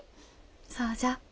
そうじゃ。